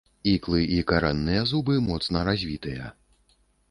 Іклы і карэнныя зубы моцна развітыя.